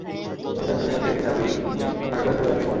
ম্যানেজারকে রুমে আটকে রেখে চাবি নিয়ে ফাঁকা করে ফেলল ব্যাংকের ভল্ট।